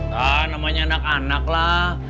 ya namanya anak anak lah